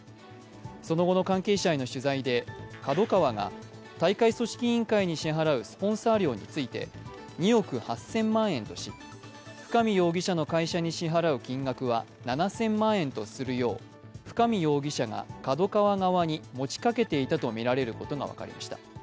その後の関係者への取材でＫＡＤＯＫＡＷＡが大会組織委員会に支払うスポンサー料について２億８０００万円とし、深見容疑者の会社に支払う金額は７０００万円とするよう深見容疑者がＫＡＤＯＫＡＷＡ側に持ちかけていたとみられることが分かりました。